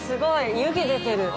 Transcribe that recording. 湯気出てる。